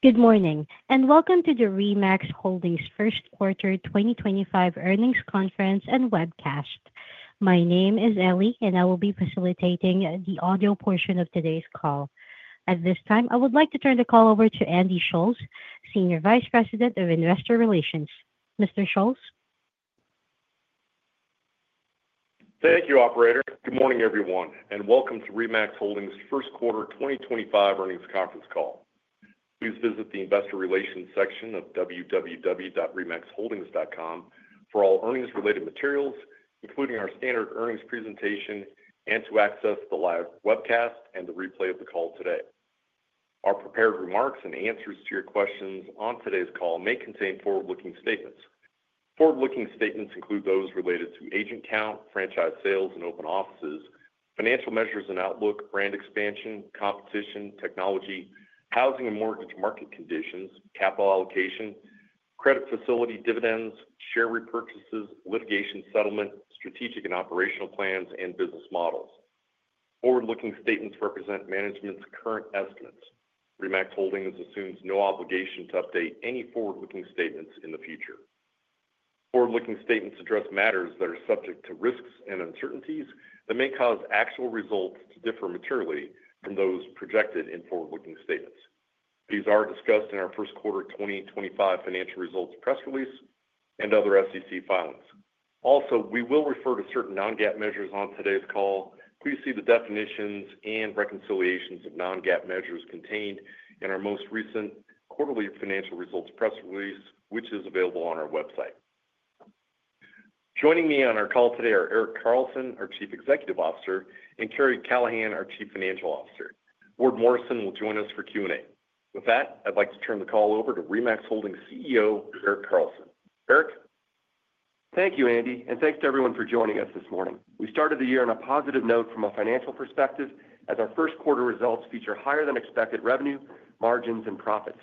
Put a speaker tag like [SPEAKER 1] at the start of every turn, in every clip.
[SPEAKER 1] Good morning, and welcome to the RE/MAX Holdings first quarter 2025 earnings conference and webcast. My name is Ellie, and I will be facilitating the audio portion of today's call. At this time, I would like to turn the call over to Andy Schulz, Senior Vice President of Investor Relations. Mr. Schulz?
[SPEAKER 2] Thank you, Operator. Good morning, everyone, and welcome to RE/MAX Holdings' first quarter 2025 earnings conference call. Please visit the Investor Relations section of www.remaxholdings.com for all earnings-related materials, including our standard earnings presentation, and to access the live webcast and the replay of the call today. Our prepared remarks and answers to your questions on today's call may contain forward-looking statements. Forward-looking statements include those related to agent count, franchise sales and open offices, financial measures and outlook, brand expansion, competition, technology, housing and mortgage market conditions, capital allocation, credit facility dividends, share repurchases, litigation settlement, strategic and operational plans, and business models. Forward-looking statements represent management's current estimates. RE/MAX Holdings assumes no obligation to update any forward-looking statements in the future. Forward-looking statements address matters that are subject to risks and uncertainties that may cause actual results to differ materially from those projected in forward-looking statements. These are discussed in our first quarter 2025 financial results press release and other SEC filings. Also, we will refer to certain non-GAAP measures on today's call. Please see the definitions and reconciliations of non-GAAP measures contained in our most recent quarterly financial results press release, which is available on our website. Joining me on our call today are Erik Carlson, our Chief Executive Officer, and Karri Callahan, our Chief Financial Officer. Ward Morrison will join us for Q&A. With that, I'd like to turn the call over to RE/MAX Holdings' CEO, Erik Carlson. Erik?
[SPEAKER 3] Thank you, Andy, and thanks to everyone for joining us this morning. We started the year on a positive note from a financial perspective as our first quarter results feature higher-than-expected revenue, margins, and profits.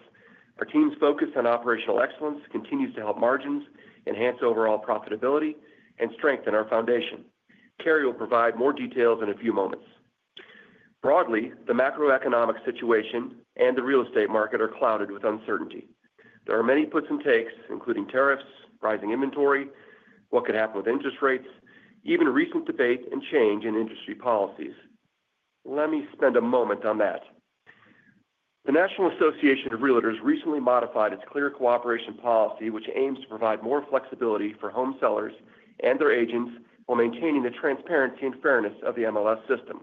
[SPEAKER 3] Our team's focus on operational excellence continues to help margins, enhance overall profitability, and strengthen our foundation. Karri will provide more details in a few moments. Broadly, the macroeconomic situation and the real estate market are clouded with uncertainty. There are many puts and takes, including tariffs, rising inventory, what could happen with interest rates, even recent debate and change in industry policies. Let me spend a moment on that. The National Association of Realtors recently modified its Clear Cooperation Policy, which aims to provide more flexibility for home sellers and their agents while maintaining the transparency and fairness of the MLS system.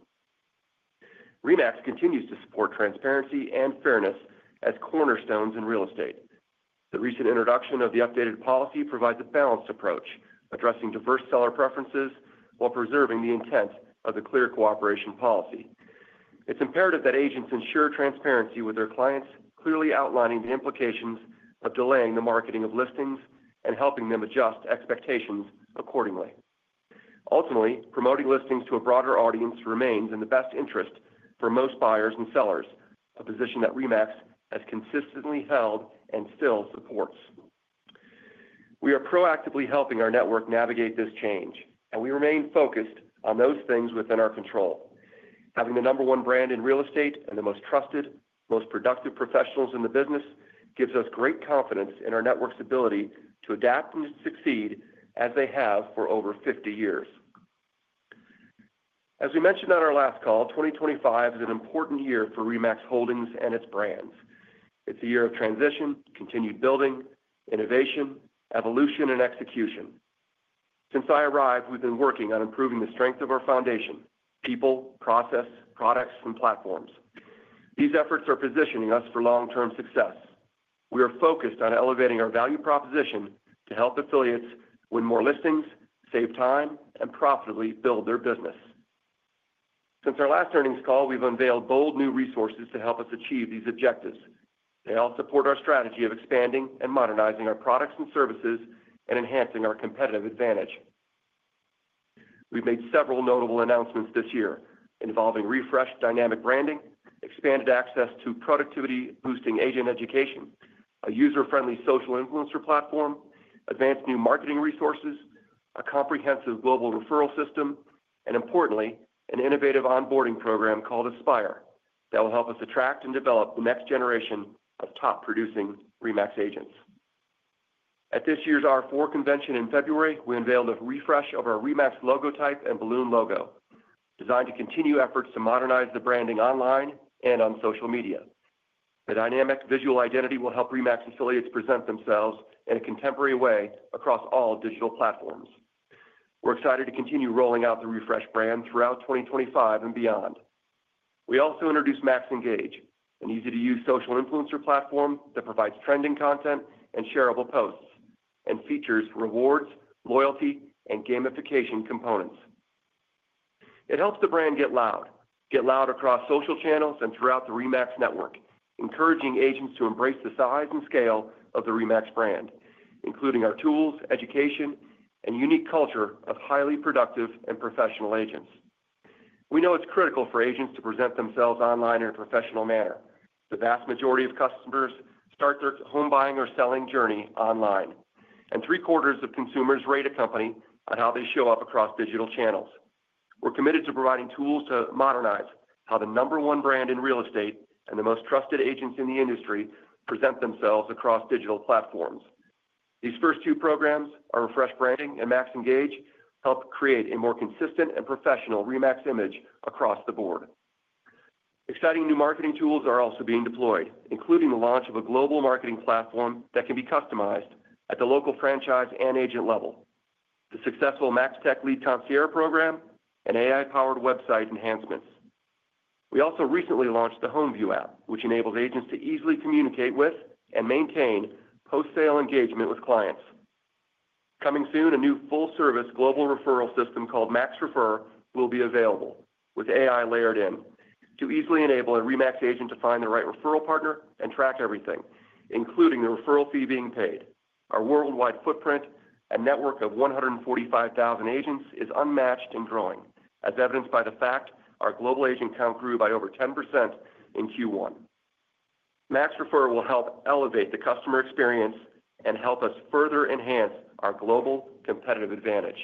[SPEAKER 3] RE/MAX continues to support transparency and fairness as cornerstones in real estate. The recent introduction of the updated policy provides a balanced approach, addressing diverse seller preferences while preserving the intent of the Clear Cooperation Policy. It's imperative that agents ensure transparency with their clients, clearly outlining the implications of delaying the marketing of listings and helping them adjust expectations accordingly. Ultimately, promoting listings to a broader audience remains in the best interest for most buyers and sellers, a position that RE/MAX has consistently held and still supports. We are proactively helping our network navigate this change, and we remain focused on those things within our control. Having the number one brand in real estate and the most trusted, most productive professionals in the business gives us great confidence in our network's ability to adapt and succeed as they have for over 50 years. As we mentioned on our last call, 2025 is an important year for RE/MAX Holdings and its brands. It's a year of transition, continued building, innovation, evolution, and execution. Since I arrived, we've been working on improving the strength of our foundation: people, process, products, and platforms. These efforts are positioning us for long-term success. We are focused on elevating our value proposition to help affiliates win more listings, save time, and profitably build their business. Since our last earnings call, we've unveiled bold new resources to help us achieve these objectives. They all support our strategy of expanding and modernizing our products and services and enhancing our competitive advantage. We've made several notable announcements this year involving refreshed dynamic branding, expanded access to productivity-boosting agent education, a user-friendly social influencer platform, advanced new marketing resources, a comprehensive global referral system, and importantly, an innovative onboarding program called Aspire that will help us attract and develop the next generation of top-producing RE/MAX agents. At this year's R4 Convention in February, we unveiled a refresh of our RE/MAX logotype and balloon logo, designed to continue efforts to modernize the branding online and on social media. The dynamic visual identity will help RE/MAX affiliates present themselves in a contemporary way across all digital platforms. We're excited to continue rolling out the refreshed brand throughout 2025 and beyond. We also introduced MAXEngage, an easy-to-use social influencer platform that provides trending content and shareable posts and features rewards, loyalty, and gamification components. It helps the brand get loud, get loud across social channels and throughout the RE/MAX network, encouraging agents to embrace the size and scale of the RE/MAX brand, including our tools, education, and unique culture of highly productive and professional agents. We know it's critical for agents to present themselves online in a professional manner. The vast majority of customers start their home buying or selling journey online, and three-quarters of consumers rate a company on how they show up across digital channels. We're committed to providing tools to modernize how the number one brand in real estate and the most trusted agents in the industry present themselves across digital platforms. These first two programs, our refreshed branding and MAXEngage, help create a more consistent and professional RE/MAX image across the board. Exciting new marketing tools are also being deployed, including the launch of a global marketing platform that can be customized at the local franchise and agent level, the successful MAXTech Lead Concierge program, and AI-powered website enhancements. We also recently launched the HomeView app, which enables agents to easily communicate with and maintain post-sale engagement with clients. Coming soon, a new full-service global referral system called MAXRefer will be available with AI layered in to easily enable a RE/MAX agent to find the right referral partner and track everything, including the referral fee being paid. Our worldwide footprint, a network of 145,000 agents, is unmatched and growing, as evidenced by the fact our global agent count grew by over 10% in Q1. MAXRefer will help elevate the customer experience and help us further enhance our global competitive advantage.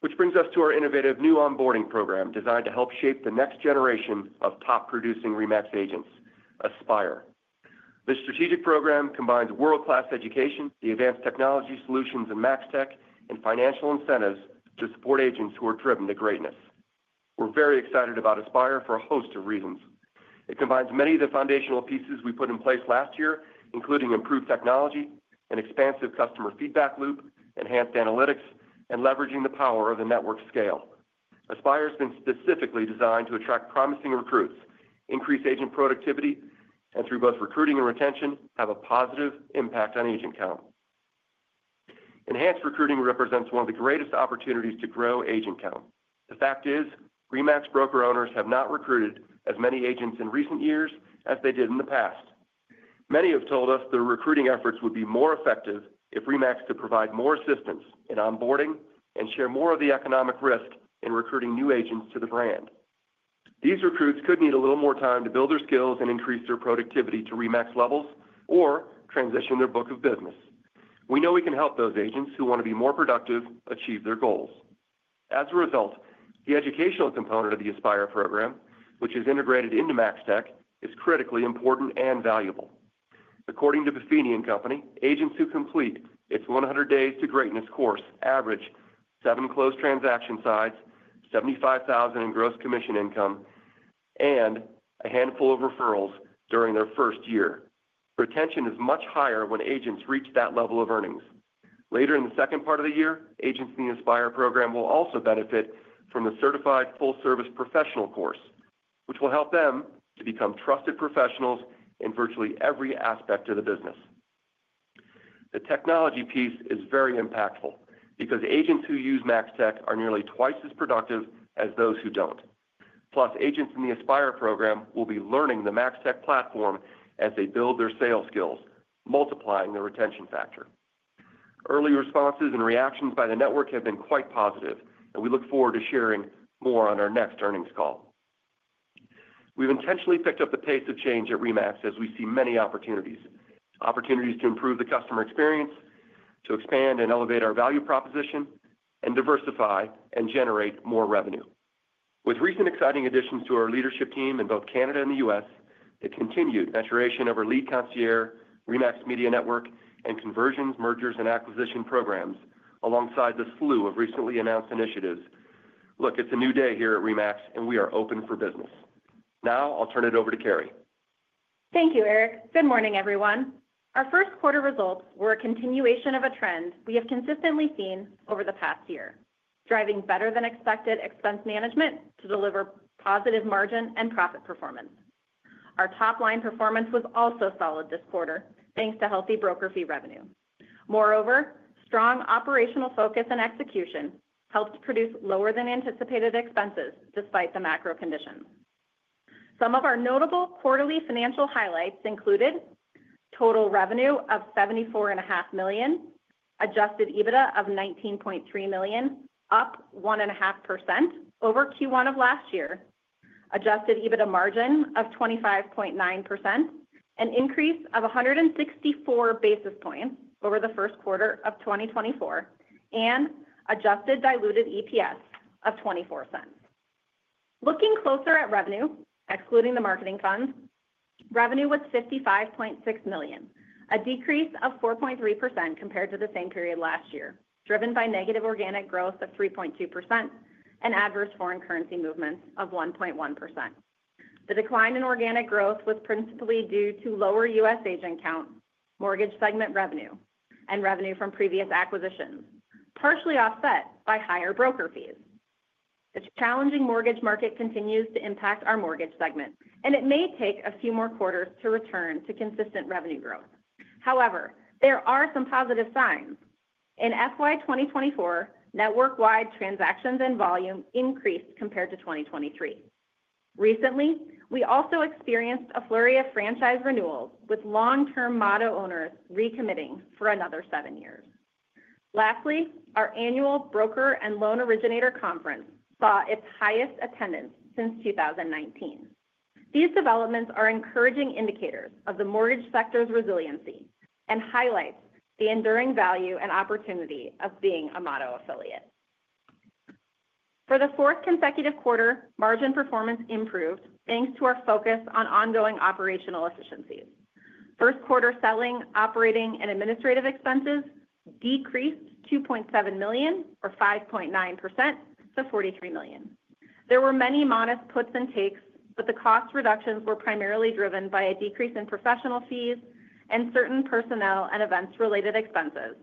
[SPEAKER 3] Which brings us to our innovative new onboarding program designed to help shape the next generation of top-producing RE/MAX agents: Aspire. This strategic program combines world-class education, the advanced technology solutions in MAXTech, and financial incentives to support agents who are driven to greatness. We're very excited about Aspire for a host of reasons. It combines many of the foundational pieces we put in place last year, including improved technology, an expansive customer feedback loop, enhanced analytics, and leveraging the power of the network scale. Aspire has been specifically designed to attract promising recruits, increase agent productivity, and through both recruiting and retention, have a positive impact on agent count. Enhanced recruiting represents one of the greatest opportunities to grow agent count. The fact is, RE/MAX broker owners have not recruited as many agents in recent years as they did in the past. Many have told us their recruiting efforts would be more effective if RE/MAX could provide more assistance in onboarding and share more of the economic risk in recruiting new agents to the brand. These recruits could need a little more time to build their skills and increase their productivity to RE/MAX levels or transition their book of business. We know we can help those agents who want to be more productive achieve their goals. As a result, the educational component of the Aspire program, which is integrated into MaxTech, is critically important and valuable. According to Buffini & Company, agents who complete its 100 Days to Greatness course average seven closed transaction sides, $75,000 in gross commission income, and a handful of referrals during their first year. Retention is much higher when agents reach that level of earnings. Later in the second part of the year, agents in the Aspire program will also benefit from the Certified Full Service Professional course, which will help them to become trusted professionals in virtually every aspect of the business. The technology piece is very impactful because agents who use MAXTech are nearly twice as productive as those who do not. Plus, agents in the Aspire program will be learning the MAXTech platform as they build their sales skills, multiplying the retention factor. Early responses and reactions by the network have been quite positive, and we look forward to sharing more on our next earnings call. We have intentionally picked up the pace of change at RE/MAX as we see many opportunities: opportunities to improve the customer experience, to expand and elevate our value proposition, and diversify and generate more revenue. With recent exciting additions to our leadership team in both Canada and the U.S., the continued maturation of our lead concierge, RE/MAX Media Network, and conversions, mergers, and acquisition programs alongside the slew of recently announced initiatives. Look, it is a new day here at RE/MAX, and we are open for business. Now, I will turn it over to Karri.
[SPEAKER 4] Thank you, Erik. Good morning, everyone. Our first quarter results were a continuation of a trend we have consistently seen over the past year, driving better-than-expected expense management to deliver positive margin and profit performance. Our top-line performance was also solid this quarter, thanks to healthy broker fee revenue. Moreover, strong operational focus and execution helped produce lower-than-anticipated expenses despite the macro conditions. Some of our notable quarterly financial highlights included total revenue of $74.5 million, adjusted EBITDA of $19.3 million, up 1.5% over Q1 of last year, adjusted EBITDA margin of 25.9%, an increase of 164 basis points over the first quarter of 2024, and adjusted diluted EPS of $0.24. Looking closer at revenue, excluding the marketing funds, revenue was $55.6 million, a decrease of 4.3% compared to the same period last year, driven by negative organic growth of 3.2% and adverse foreign currency movements of 1.1%. The decline in organic growth was principally due to lower U.S. agent count, mortgage segment revenue, and revenue from previous acquisitions, partially offset by higher broker fees. The challenging mortgage market continues to impact our mortgage segment, and it may take a few more quarters to return to consistent revenue growth. However, there are some positive signs. In FY 2024, network-wide transactions and volume increased compared to 2023. Recently, we also experienced a flurry of franchise renewals with long-term Motto owners recommitting for another seven years. Lastly, our annual Broker and Loan Originator Conference saw its highest attendance since 2019. These developments are encouraging indicators of the mortgage sector's resiliency and highlight the enduring value and opportunity of being a Motto affiliate. For the fourth consecutive quarter, margin performance improved thanks to our focus on ongoing operational efficiencies. First quarter selling, operating, and administrative expenses decreased $2.7 million, or 5.9%, to $43 million. There were many modest puts and takes, but the cost reductions were primarily driven by a decrease in professional fees and certain personnel and events-related expenses,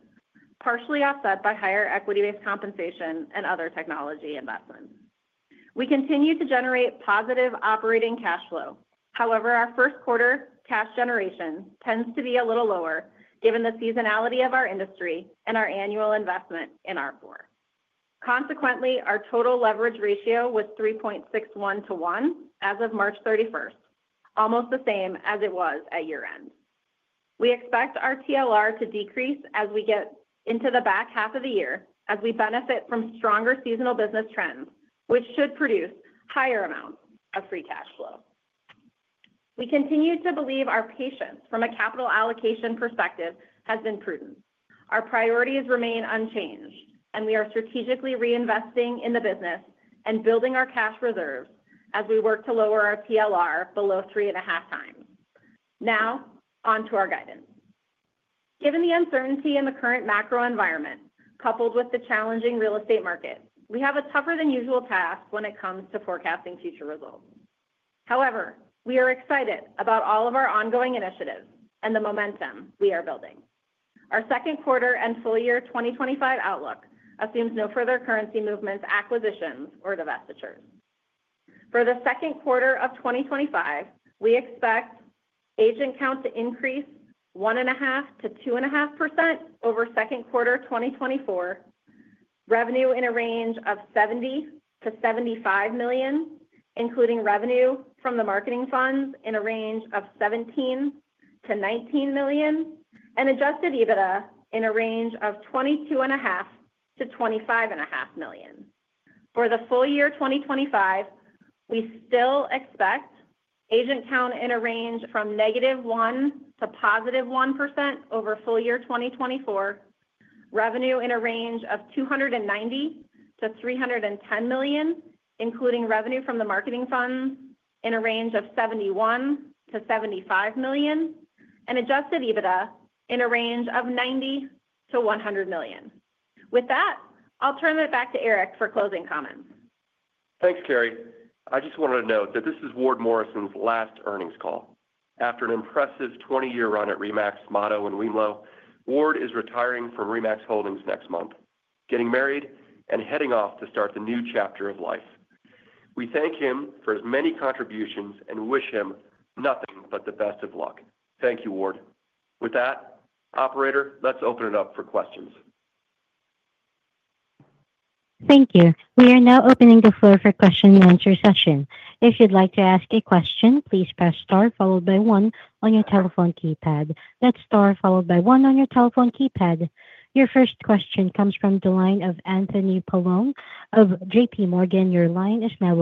[SPEAKER 4] partially offset by higher equity-based compensation and other technology investments. We continue to generate positive operating cash flow. However, our first quarter cash generation tends to be a little lower given the seasonality of our industry and our annual investment in R4. Consequently, our total leverage ratio was 3.61 to 1 as of March 31st, almost the same as it was at year-end. We expect our TLR to decrease as we get into the back half of the year, as we benefit from stronger seasonal business trends, which should produce higher amounts of free cash flow. We continue to believe our patience from a capital allocation perspective has been prudent. Our priorities remain unchanged, and we are strategically reinvesting in the business and building our cash reserves as we work to lower our TLR below 3.5x. Now, on to our guidance. Given the uncertainty in the current macro environment, coupled with the challenging real estate market, we have a tougher-than-usual task when it comes to forecasting future results. However, we are excited about all of our ongoing initiatives and the momentum we are building. Our second quarter and full year 2025 outlook assumes no further currency movements, acquisitions, or divestitures. For the second quarter of 2025, we expect agent count to increase 1.5%-2.5% over second quarter 2024, revenue in a range of $70 millon-$75 million, including revenue from the marketing funds in a range of $17 million-$19 million, and adjusted EBITDA in a range of $22.5 million-$25.5 million. For the full year 2025, we still expect agent count in a range from -1% to +1% over full year 2024, revenue in a range of $290 million-$310 million, including revenue from the marketing funds in a range of $71 million-$75 million, and adjusted EBITDA in a range of $90 million-$100 million. With that, I'll turn it back to Erik for closing comments.
[SPEAKER 3] Thanks, Karri. I just wanted to note that this is Ward Morrison's last earnings call. After an impressive 20-year run at RE/MAX, Motto and wemlo, Ward is retiring from RE/MAX Holdings next month, getting married and heading off to start the new chapter of life. We thank him for his many contributions and wish him nothing but the best of luck. Thank you, Ward. With that, operator, let's open it up for questions.
[SPEAKER 1] Thank you. We are now opening the floor for question-and-answer session. If you'd like to ask a question, please press star followed by one on your telephone keypad. That's star followed by one on your telephone keypad. Your first question comes from the line of Anthony Paolone of JPMorgan. Your line is now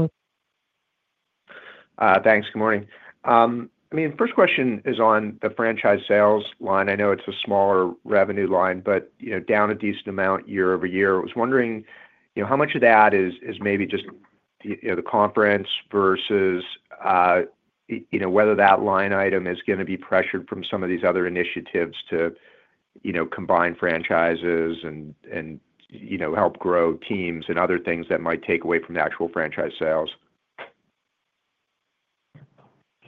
[SPEAKER 1] open.
[SPEAKER 5] Thanks. Good morning. I mean, first question is on the franchise sales line. I know it's a smaller revenue line, but down a decent amount year-over-year. I was wondering how much of that is maybe just the conference vs whether that line item is going to be pressured from some of these other initiatives to combine franchises and help grow teams and other things that might take away from the actual franchise sales?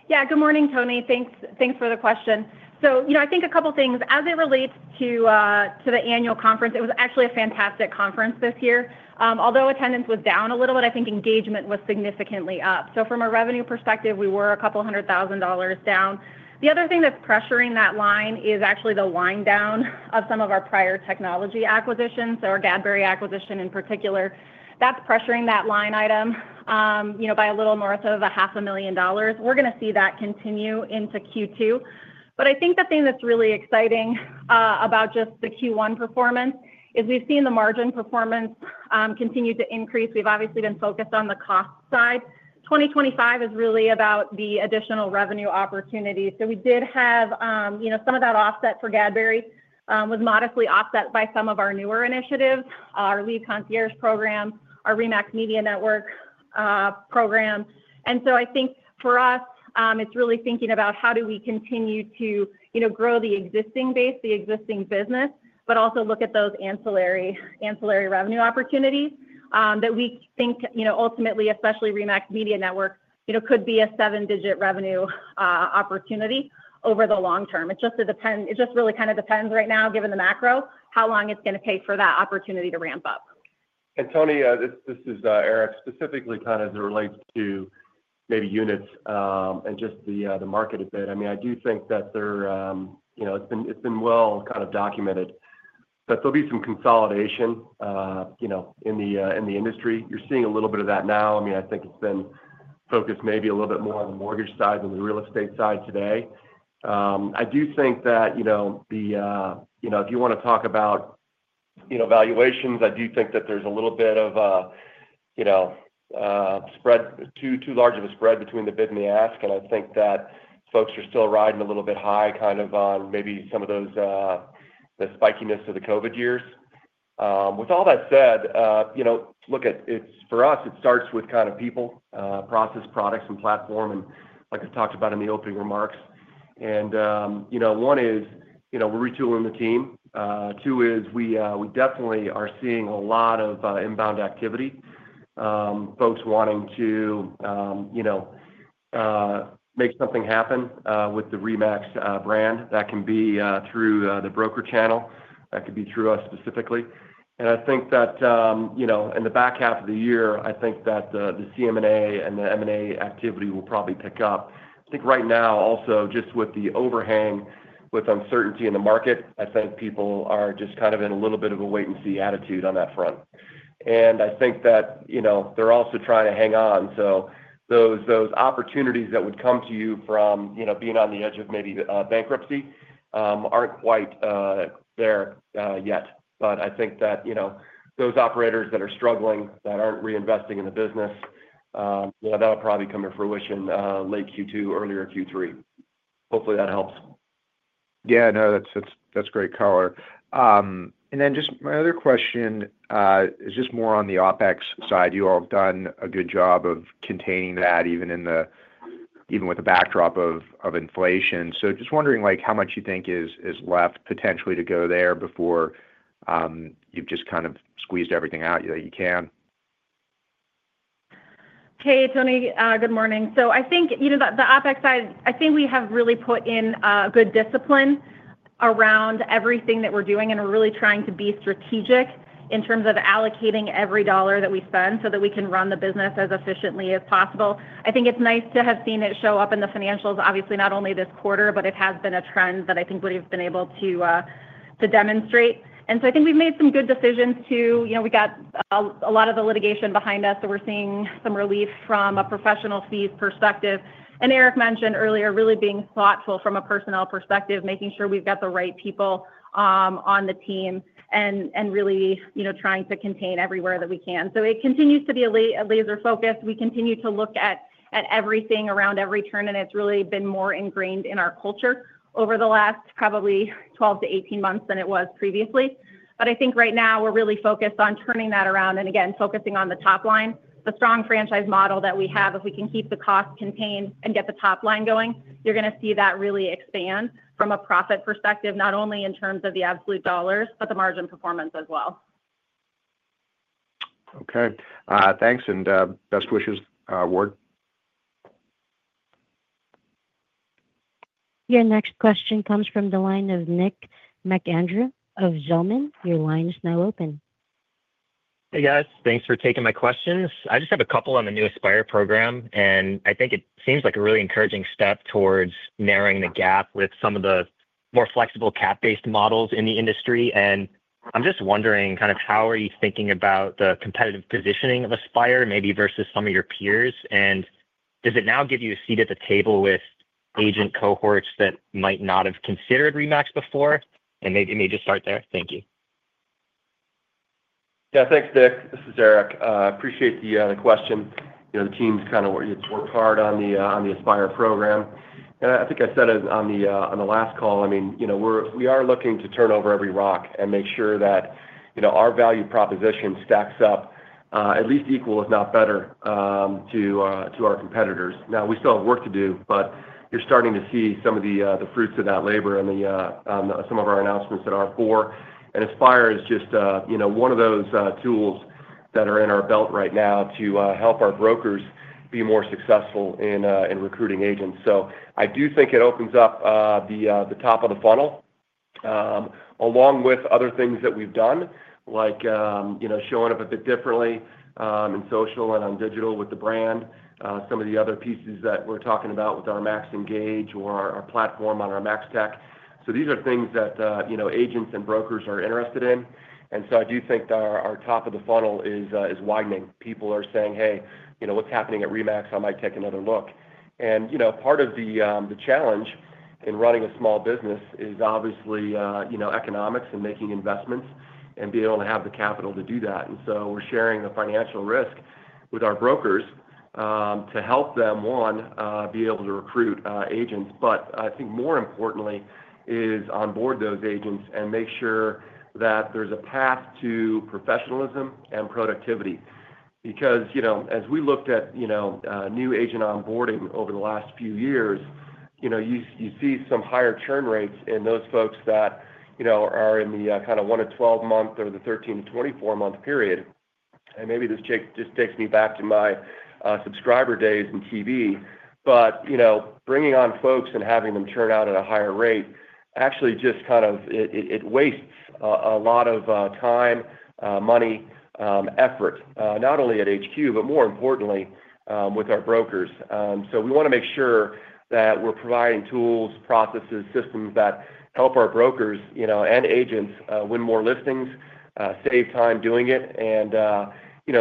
[SPEAKER 4] Yeah. Good morning, Tony. Thanks for the question. I think a couple of things. As it relates to the annual conference, it was actually a fantastic conference this year. Although attendance was down a little bit, I think engagement was significantly up. From a revenue perspective, we were a couple of $100,000 down. The other thing that's pressuring that line is actually the wind down of some of our prior technology acquisitions, our Gadberry acquisition in particular. That's pressuring that line item by a little north of $500,000. We're going to see that continue into Q2. I think the thing that's really exciting about just the Q1 performance is we've seen the margin performance continue to increase. We've obviously been focused on the cost side. 2025 is really about the additional revenue opportunity. We did have some of that offset for Gadberry was modestly offset by some of our newer initiatives, our lead concierge program, our RE/MAX Media Network Program. I think for us, it's really thinking about how do we continue to grow the existing base, the existing business, but also look at those ancillary revenue opportunities that we think ultimately, especially RE/MAX Media Network, could be a seven-digit revenue opportunity over the long term. It just really kind of depends right now, given the macro, how long it's going to take for that opportunity to ramp up.
[SPEAKER 3] Tony, this is Erik specifically kind of as it relates to maybe units and just the market a bit. I do think that it's been well kind of documented, but there'll be some consolidation in the industry. You're seeing a little bit of that now. I think it's been focused maybe a little bit more on the mortgage side than the real estate side today. I do think that if you want to talk about valuations, I do think that there's a little bit of too large of a spread between the bid and the ask. I think that folks are still riding a little bit high kind of on maybe some of the spikiness of the COVID years. With all that said, look, for us, it starts with kind of people, process, products, and platform, like I talked about in the opening remarks. One is we're retooling the team. Two is we definitely are seeing a lot of inbound activity, folks wanting to make something happen with the RE/MAX brand. That can be through the broker channel. That could be through us specifically. I think that in the back half of the year, I think that the CM&A and the M&A activity will probably pick up. I think right now, also just with the overhang with uncertainty in the market, I think people are just kind of in a little bit of a wait-and-see attitude on that front. I think that they're also trying to hang on. Those opportunities that would come to you from being on the edge of maybe bankruptcy are not quite there yet. I think that those operators that are struggling, that are not reinvesting in the business, that will probably come to fruition late Q2, early Q3. Hopefully, that helps.
[SPEAKER 5] Yeah. No, that's great color. Just my other question is just more on the OpEx side. You all have done a good job of containing that even with the backdrop of inflation. Just wondering how much you think is left potentially to go there before you've just kind of squeezed everything out that you can?
[SPEAKER 4] Hey, Tony. Good morning. I think the OpEx side, I think we have really put in good discipline around everything that we're doing, and we're really trying to be strategic in terms of allocating every dollar that we spend so that we can run the business as efficiently as possible. I think it's nice to have seen it show up in the financials, obviously, not only this quarter, but it has been a trend that I think we've been able to demonstrate. I think we've made some good decisions too. We got a lot of the litigation behind us, so we're seeing some relief from a professional fees perspective. Erik mentioned earlier really being thoughtful from a personnel perspective, making sure we've got the right people on the team and really trying to contain everywhere that we can. It continues to be a laser focus. We continue to look at everything around every turn, and it's really been more ingrained in our culture over the last probably 12-18 months than it was previously. I think right now we're really focused on turning that around and, again, focusing on the top line. The strong franchise model that we have, if we can keep the cost contained and get the top line going, you're going to see that really expand from a profit perspective, not only in terms of the absolute dollars, but the margin performance as well.
[SPEAKER 5] Okay. Thanks. Best wishes, Ward.
[SPEAKER 1] Your next question comes from the line of Nick McAndrew of Zelman. Your line is now open.
[SPEAKER 6] Hey, guys. Thanks for taking my questions. I just have a couple on the new Aspire program, and I think it seems like a really encouraging step towards narrowing the gap with some of the more flexible cap-based models in the industry. I am just wondering kind of how are you thinking about the competitive positioning of Aspire maybe vs some of your peers? Does it now give you a seat at the table with agent cohorts that might not have considered RE/MAX before? Maybe just start there. Thank you.
[SPEAKER 3] Yeah. Thanks, Nick. This is Erik. I appreciate the question. The team's kind of worked hard on the Aspire program. I think I said it on the last call. I mean, we are looking to turn over every rock and make sure that our value proposition stacks up at least equal, if not better, to our competitors. Now, we still have work to do, but you're starting to see some of the fruits of that labor and some of our announcements at R4. Aspire is just one of those tools that are in our belt right now to help our brokers be more successful in recruiting agents. I do think it opens up the top of the funnel along with other things that we've done, like showing up a bit differently in social and on digital with the brand, some of the other pieces that we're talking about with our MAXEngage or our platform on our MAXTech. These are things that agents and brokers are interested in. I do think our top of the funnel is widening. People are saying, "Hey, what's happening at RE/MAX? I might take another look." Part of the challenge in running a small business is obviously economics and making investments and being able to have the capital to do that. We're sharing the financial risk with our brokers to help them, one, be able to recruit agents. I think more importantly is onboard those agents and make sure that there's a path to professionalism and productivity. Because as we looked at new agent onboarding over the last few years, you see some higher churn rates in those folks that are in the kind of 1-12 month or the 13-24 month period. Maybe this just takes me back to my subscriber days in TV. Bringing on folks and having them churn out at a higher rate actually just kind of wastes a lot of time, money, effort, not only at HQ, but more importantly with our brokers. We want to make sure that we're providing tools, processes, systems that help our brokers and agents win more listings, save time doing it, and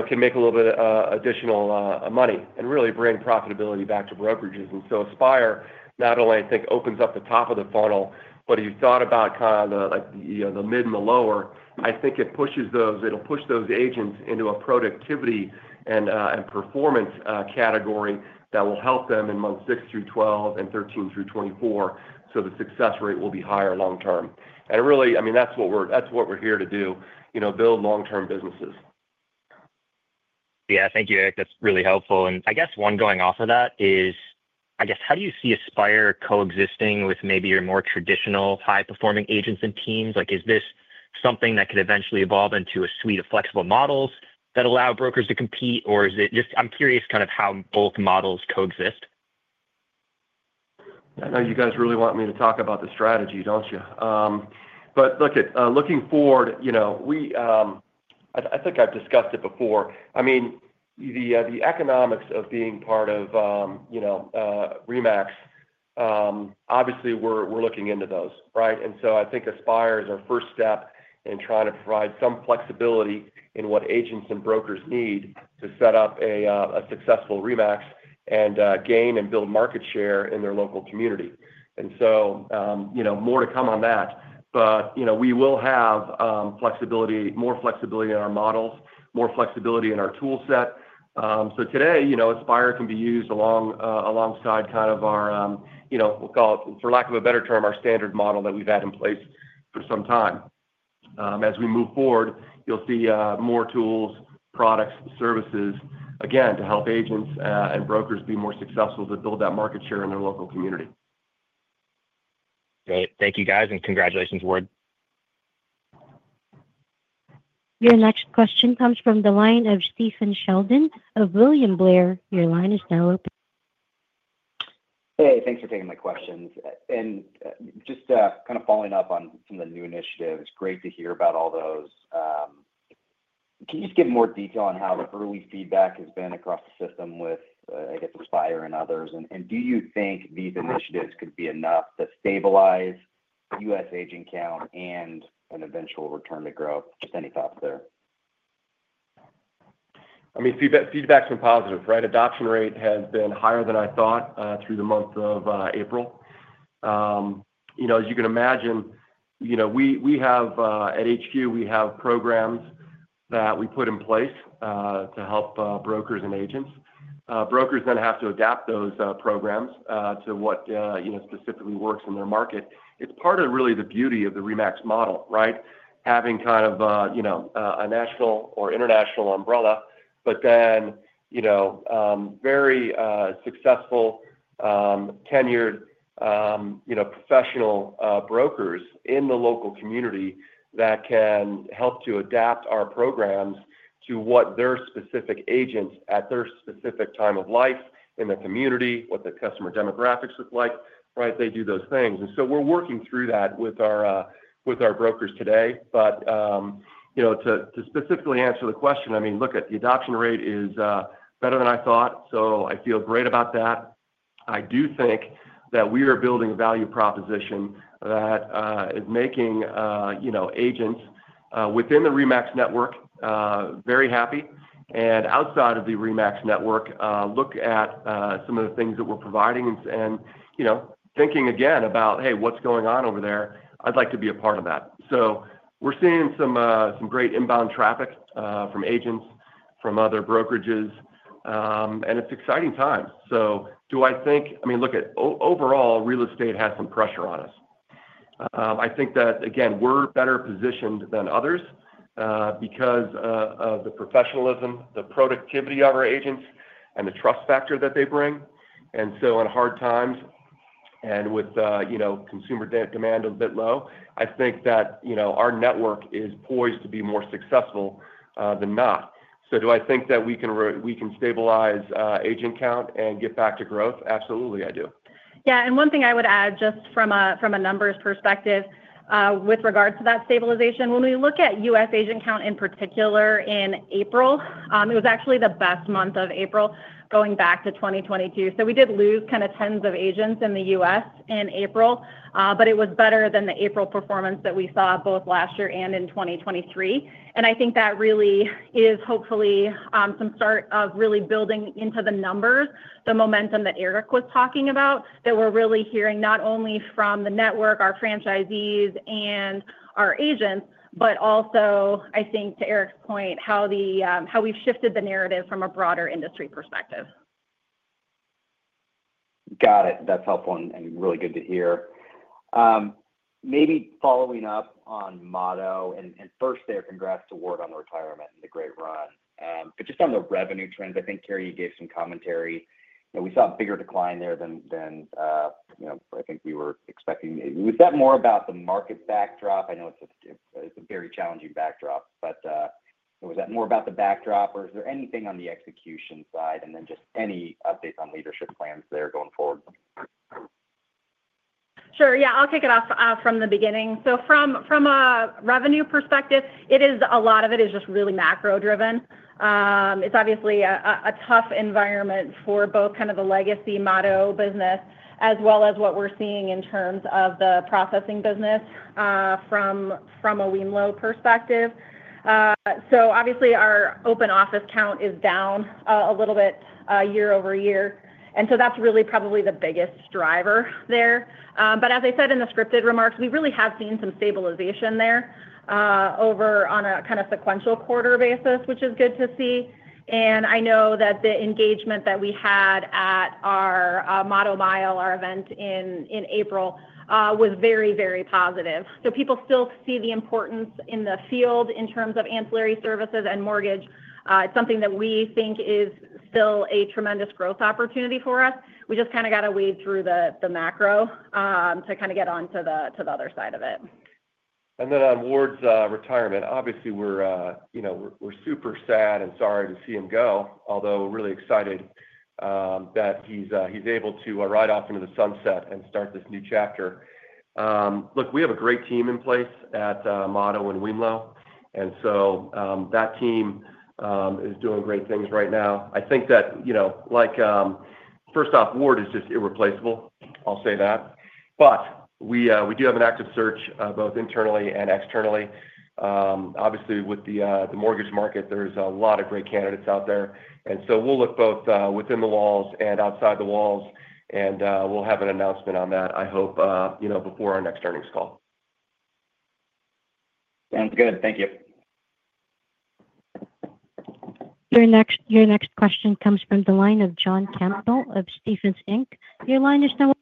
[SPEAKER 3] can make a little bit of additional money and really bring profitability back to brokerages. Aspire not only, I think, opens up the top of the funnel, but if you thought about kind of the mid and the lower, I think it'll push those agents into a productivity and performance category that will help them in months 6 through 12 and 13 through 24. The success rate will be higher long term. I mean, that's what we're here to do, build long-term businesses.
[SPEAKER 6] Yeah. Thank you, Erik. That's really helpful. I guess one going off of that is, I guess, how do you see Aspire coexisting with maybe your more traditional high-performing agents and teams? Is this something that could eventually evolve into a suite of flexible models that allow brokers to compete? I'm curious kind of how both models coexist?
[SPEAKER 3] I know you guys really want me to talk about the strategy, don't you? Looking forward, I think I've discussed it before. I mean, the economics of being part of RE/MAX, obviously, we're looking into those, right? I think Aspire is our first step in trying to provide some flexibility in what agents and brokers need to set up a successful RE/MAX and gain and build market share in their local community. More to come on that. We will have more flexibility in our models, more flexibility in our toolset. Today, Aspire can be used alongside kind of our, we'll call it, for lack of a better term, our standard model that we've had in place for some time. As we move forward, you'll see more tools, products, services, again, to help agents and brokers be more successful to build that market share in their local community.
[SPEAKER 6] Great. Thank you, guys. And congratulations, Ward.
[SPEAKER 1] Your next question comes from the line of Stephen Sheldon of William Blair. Your line is now open.
[SPEAKER 7] Hey. Thanks for taking my questions. Just kind of following up on some of the new initiatives, great to hear about all those. Can you just give more detail on how the early feedback has been across the system with, I guess, Aspire and others? Do you think these initiatives could be enough to stabilize U.S. agent count and an eventual return to growth? Just any thoughts there?
[SPEAKER 3] I mean, feedback's been positive, right? Adoption rate has been higher than I thought through the month of April. As you can imagine, at HQ, we have programs that we put in place to help brokers and agents. Brokers then have to adapt those programs to what specifically works in their market. It's part of really the beauty of the RE/MAX model, right? Having kind of a national or international umbrella, but then very successful, tenured professional brokers in the local community that can help to adapt our programs to what their specific agents at their specific time of life in the community, what the customer demographics look like, right? They do those things. We are working through that with our brokers today. To specifically answer the question, I mean, look, the adoption rate is better than I thought. I feel great about that. I do think that we are building a value proposition that is making agents within the RE/MAX network very happy. Outside of the RE/MAX network, look at some of the things that we're providing and thinking again about, "Hey, what's going on over there? I'd like to be a part of that." We are seeing some great inbound traffic from agents, from other brokerages. It's exciting times. Do I think, I mean, look, overall, real estate has some pressure on us. I think that, again, we're better positioned than others because of the professionalism, the productivity of our agents, and the trust factor that they bring. In hard times and with consumer demand a bit low, I think that our network is poised to be more successful than not. Do I think that we can stabilize agent count and get back to growth? Absolutely, I do.
[SPEAKER 4] Yeah. One thing I would add just from a numbers perspective with regards to that stabilization, when we look at U.S. agent count in particular in April, it was actually the best month of April going back to 2022. We did lose kind of tens of agents in the U.S. in April, but it was better than the April performance that we saw both last year and in 2023. I think that really is hopefully some start of really building into the numbers, the momentum that Erik was talking about, that we're really hearing not only from the network, our franchisees, and our agents, but also, I think, to Erik's point, how we've shifted the narrative from a broader industry perspective.
[SPEAKER 7] Got it. That's helpful and really good to hear. Maybe following up on Motto and first there, congrats to Ward on the retirement and the great run. Just on the revenue trends, I think, Karri, you gave some commentary. We saw a bigger decline there than I think we were expecting. Was that more about the market backdrop? I know it's a very challenging backdrop. Was that more about the backdrop, or is there anything on the execution side and then just any updates on leadership plans there going forward?
[SPEAKER 4] Sure. Yeah. I'll kick it off from the beginning. From a revenue perspective, a lot of it is just really macro-driven. It's obviously a tough environment for both kind of the legacy Motto business as well as what we're seeing in terms of the processing business from a wemlo perspective. Obviously, our open office count is down a little bit year-over-year. That's really probably the biggest driver there. As I said in the scripted remarks, we really have seen some stabilization there on a kind of sequential quarter basis, which is good to see. I know that the engagement that we had at our Motto MILE, our event in April, was very, very positive. People still see the importance in the field in terms of ancillary services and mortgage. It's something that we think is still a tremendous growth opportunity for us. We just kind of got to wade through the macro to kind of get onto the other side of it.
[SPEAKER 3] On Ward's retirement, obviously, we're super sad and sorry to see him go, although we're really excited that he's able to ride off into the sunset and start this new chapter. Look, we have a great team in place at Motto and wemlo. That team is doing great things right now. I think that, first off, Ward is just irreplaceable. I'll say that. We do have an active search both internally and externally. Obviously, with the mortgage market, there's a lot of great candidates out there. We'll look both within the walls and outside the walls. We'll have an announcement on that, I hope, before our next earnings call.
[SPEAKER 7] Sounds good. Thank you.
[SPEAKER 1] Your next question comes from the line of John Campbell of Stephens Inc. Your line is now open.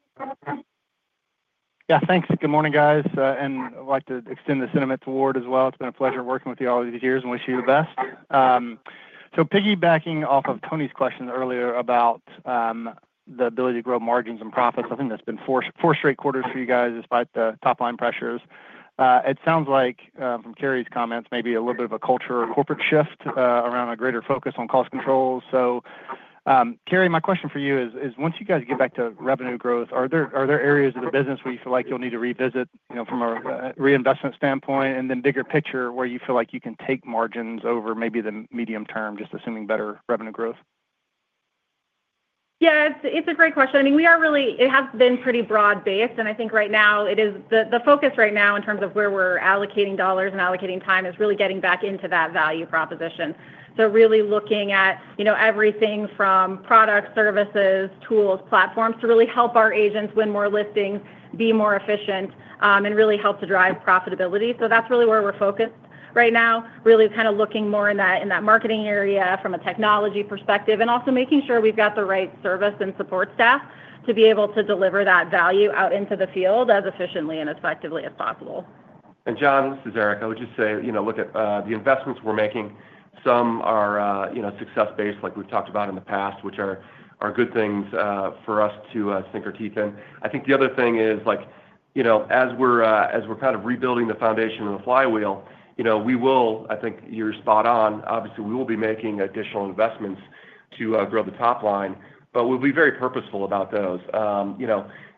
[SPEAKER 8] Yeah. Thanks. Good morning, guys. I'd like to extend the sentiment to Ward as well. It's been a pleasure working with you all these years, and we wish you the best. Piggybacking off of Tony's question earlier about the ability to grow margins and profits, I think that's been four straight quarters for you guys despite the top-line pressures. It sounds like, from Karri's comments, maybe a little bit of a culture or corporate shift around a greater focus on cost controls. Karri, my question for you is, once you guys get back to revenue growth, are there areas of the business where you feel like you'll need to revisit from a reinvestment standpoint and then bigger picture where you feel like you can take margins over maybe the medium term, just assuming better revenue growth?
[SPEAKER 4] Yeah. It's a great question. I mean, we are really, it has been pretty broad-based. I think right now, the focus right now in terms of where we're allocating dollars and allocating time is really getting back into that value proposition. Really looking at everything from products, services, tools, platforms to really help our agents win more listings, be more efficient, and really help to drive profitability. That's really where we're focused right now, really kind of looking more in that marketing area from a technology perspective and also making sure we've got the right service and support staff to be able to deliver that value out into the field as efficiently and effectively as possible.
[SPEAKER 3] John, this is Erik. I would just say, look at the investments we're making. Some are success-based, like we've talked about in the past, which are good things for us to sink our teeth in. I think the other thing is, as we're kind of rebuilding the foundation of the flywheel, we will, I think you're spot on. Obviously, we will be making additional investments to grow the top line, but we'll be very purposeful about those.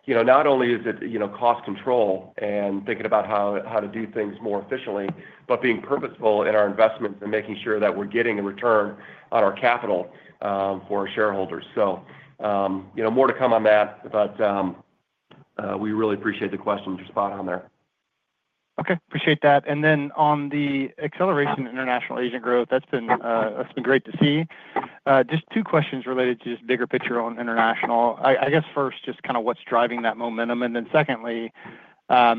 [SPEAKER 3] Not only is it cost control and thinking about how to do things more efficiently, but being purposeful in our investments and making sure that we're getting a return on our capital for our shareholders. More to come on that. We really appreciate the question. You're spot on there.
[SPEAKER 8] Okay. Appreciate that. On the acceleration in international agent growth, that's been great to see. Just two questions related to just bigger picture on international. I guess first, just kind of what's driving that momentum. Secondly, I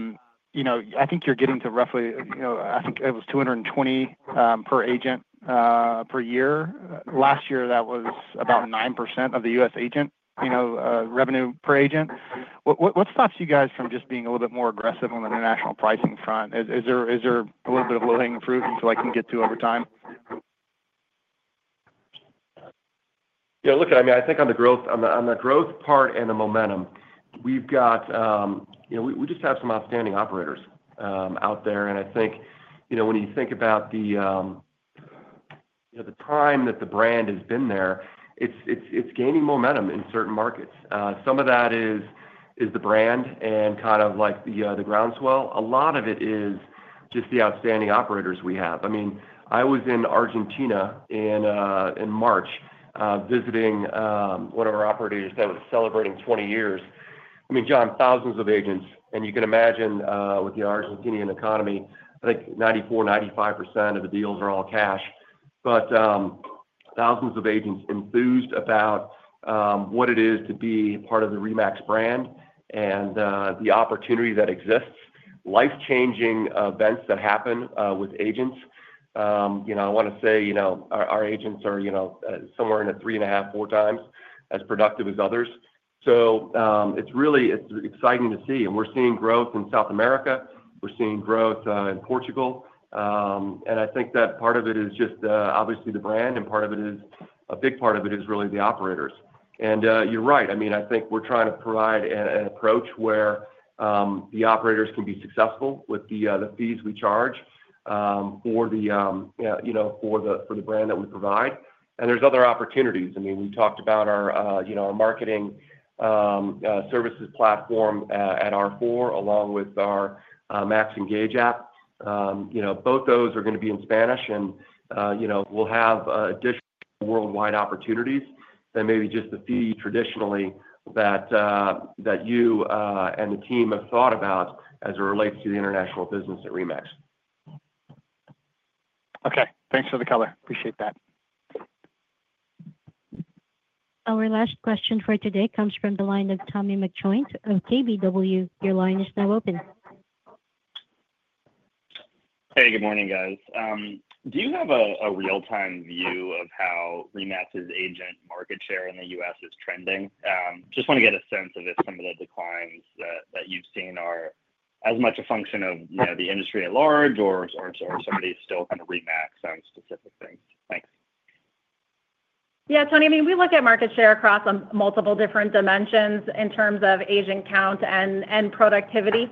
[SPEAKER 8] think you're getting to roughly, I think it was $220 per agent per year. Last year, that was about 9% of the U.S. agent revenue per agent. What stops you guys from just being a little bit more aggressive on the international pricing front? Is there a little bit of low-hanging fruit you feel like can get to over time?
[SPEAKER 3] Yeah. Look, I mean, I think on the growth part and the momentum, we've got we just have some outstanding operators out there. I think when you think about the time that the brand has been there, it's gaining momentum in certain markets. Some of that is the brand and kind of the groundswell. A lot of it is just the outstanding operators we have. I mean, I was in Argentina in March visiting one of our operators that was celebrating 20 years. I mean, John, thousands of agents. You can imagine, with the Argentinian economy, I think 94%-95% of the deals are all cash. Thousands of agents enthused about what it is to be part of the RE/MAX brand and the opportunity that exists, life-changing events that happen with agents. I want to say our agents are somewhere in the 3.5x, 4x as productive as others. It is really exciting to see. We are seeing growth in South America. We are seeing growth in Portugal. I think that part of it is just, obviously, the brand, and part of it is a big part of it is really the operators. You are right. I mean, I think we are trying to provide an approach where the operators can be successful with the fees we charge for the brand that we provide. There are other opportunities. I mean, we talked about our marketing services platform at R4 along with our MAXEngage app. Both those are going to be in Spanish. We will have additional worldwide opportunities than maybe just the fee traditionally that you and the team have thought about as it relates to the international business at RE/MAX.
[SPEAKER 8] Okay. Thanks for the color. Appreciate that.
[SPEAKER 1] Our last question for today comes from the line of Tommy McJoynt of KBW. Your line is now open.
[SPEAKER 9] Hey, good morning, guys. Do you have a real-time view of how RE/MAX's agent market share in the U.S. is trending? Just want to get a sense of if some of the declines that you've seen are as much a function of the industry at large or somebody's still kind of RE/MAX on specific things? Thanks.
[SPEAKER 4] Yeah. Tony, I mean, we look at market share across multiple different dimensions in terms of agent count and productivity.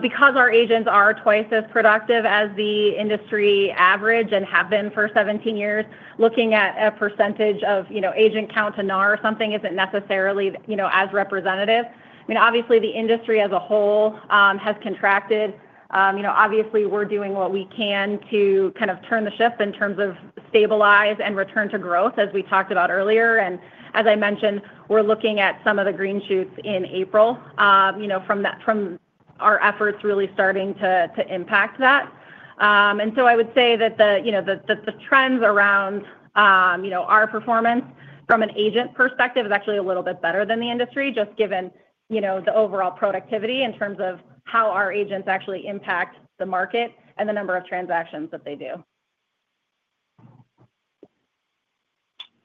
[SPEAKER 4] Because our agents are twice as productive as the industry average and have been for 17 years, looking at a percentage of agent count to NAR or something isn't necessarily as representative. I mean, obviously, the industry as a whole has contracted. Obviously, we're doing what we can to kind of turn the ship in terms of stabilize and return to growth, as we talked about earlier. I mean, as I mentioned, we're looking at some of the green shoots in April from our efforts really starting to impact that. I would say that the trends around our performance from an agent perspective is actually a little bit better than the industry, just given the overall productivity in terms of how our agents actually impact the market and the number of transactions that they do.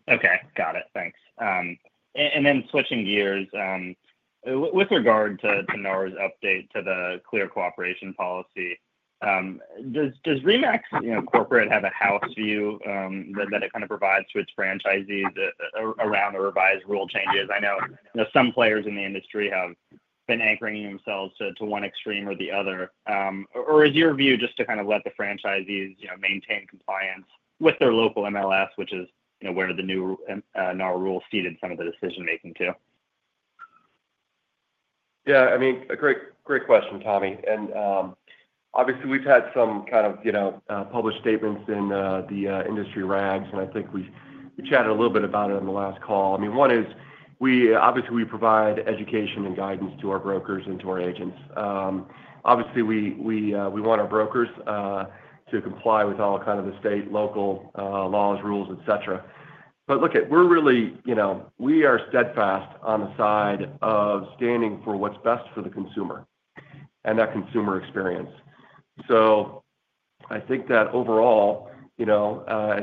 [SPEAKER 9] Okay. Got it. Thanks. Switching gears, with regard to NAR's update to the Clear Cooperation Policy, does RE/MAX Corporate have a house view that it kind of provides to its franchisees around the revised rule changes? I know some players in the industry have been anchoring themselves to one extreme or the other. Is your view just to kind of let the franchisees maintain compliance with their local MLS, which is where the new NAR rule seated some of the decision-making too?
[SPEAKER 3] Yeah. I mean, great question, Tommy. Obviously, we've had some kind of published statements in the industry rags. I think we chatted a little bit about it on the last call. One is, obviously, we provide education and guidance to our brokers and to our agents. Obviously, we want our brokers to comply with all kinds of the state and local laws, rules, etc. Look, we're really steadfast on the side of standing for what's best for the consumer and that consumer experience. I think that overall, as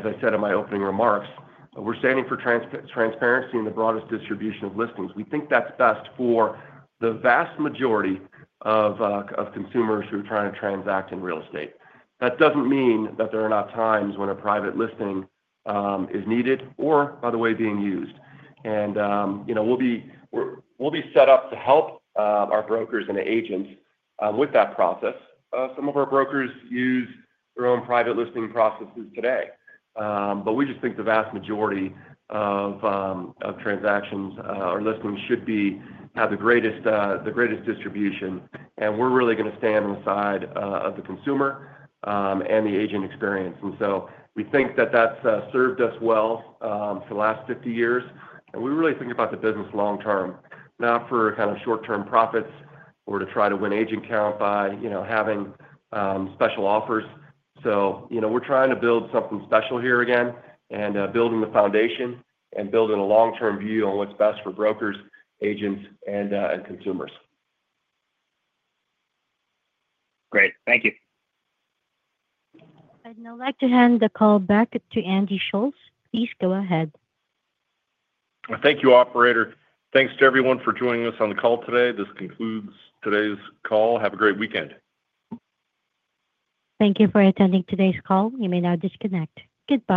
[SPEAKER 3] I said in my opening remarks, we're standing for transparency in the broadest distribution of listings. We think that's best for the vast majority of consumers who are trying to transact in real estate. That doesn't mean that there are not times when a private listing is needed or, by the way, being used. We will be set up to help our brokers and agents with that process. Some of our brokers use their own private listing processes today. We just think the vast majority of transactions or listings should have the greatest distribution. We are really going to stand on the side of the consumer and the agent experience. We think that has served us well for the last 50 years. We really think about the business long-term, not for kind of short-term profits or to try to win agent count by having special offers. We are trying to build something special here again and building the foundation and building a long-term view on what is best for brokers, agents, and consumers.
[SPEAKER 9] Great. Thank you.
[SPEAKER 1] I'd now like to hand the call back to Andy Schulz. Please go ahead.
[SPEAKER 2] Thank you, operator. Thanks to everyone for joining us on the call today. This concludes today's call. Have a great weekend.
[SPEAKER 1] Thank you for attending today's call. You may now disconnect. Goodbye.